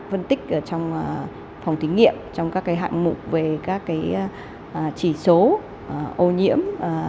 phân tích ở trong phòng thí nghiệm trong các cái hạng mục về các cái chỉ số ô nhiễm